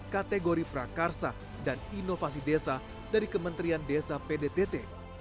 kategori prakarsa dan inovasi desa dari kementerian desa pdtt